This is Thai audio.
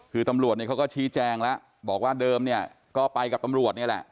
คือตำรวจเนี่ยเขาก็ชี้แจงแล้วบอกว่าเดิมเนี่ยก็ไปกับตำรวจนี่แหละ